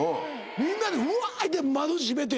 みんなで「うわ！」言って窓閉めて。